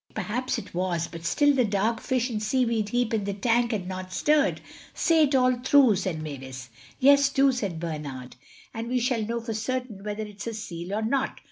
Perhaps it was, but still the dark fish and seaweed heap in the tank had not stirred. "Say it all through," said Mavis. "Yes, do," said Bernard, "then we shall know for certain whether it's a seal or not."